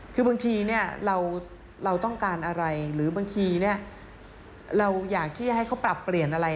คือบางทีเราต้องการอะไรหรือบางทีเราอยากที่จะให้เขาปรับเปลี่ยนอะไร